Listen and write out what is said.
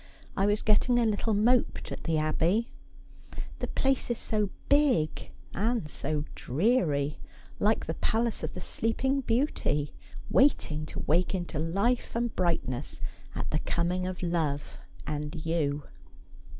I was getting a little moped at the Abbey. The place is so big, and so dreary, like the palace of the Sleeping Beauty — waiting to wake into life and brightness at the coming of love and you.